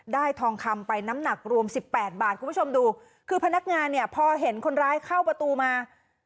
ทองคำไปน้ำหนักรวมสิบแปดบาทคุณผู้ชมดูคือพนักงานเนี่ยพอเห็นคนร้ายเข้าประตูมา